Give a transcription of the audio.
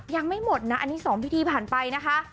ยังไม่หมดนะอันนี้๒พิธีผ่านไปนะคะ